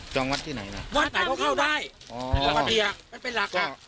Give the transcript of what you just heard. จ้องวัดที่ไหนน่ะวัดไหนเขาเข้าได้มันเป็นหลัก